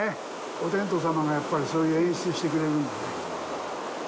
お天道さまが、やっぱりそういう演出をしてくれるんだね。